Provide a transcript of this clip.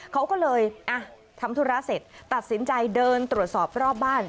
เขาก็เลยทำธุระเสร็จตัดสินใจเดินตรวจสอบรอบบ้าน